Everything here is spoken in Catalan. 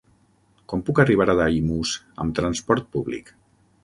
Com puc arribar a Daimús amb transport públic?